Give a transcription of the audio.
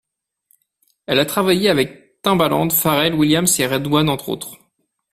Elle a travaillé avec Timbaland, Pharrell Williams et RedOne entre autres.